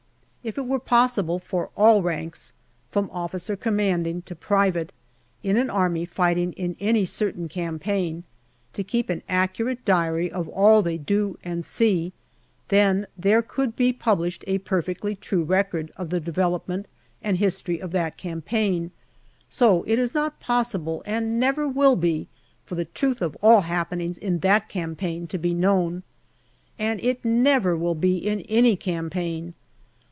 If it were possible for all ranks, from O.C. to private, in an army fighting in any certain campaign to keep an accurate diary of all they do and see, then there could be published a perfectly true record of the development and history of that campaign, so it is not possible, and never will be, for the truth of all happenings in that campaign to be known. And it never will be in any campaign.